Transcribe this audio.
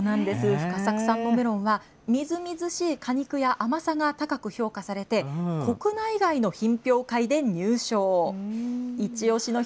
深作さんのメロンは、みずみずしい果肉や甘さが高く評価されて、国内外の品評会で入賞。